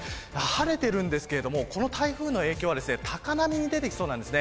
晴れているんですけどもこの台風の影響は高波に出てきそうです。